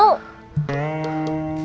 kok kamu tau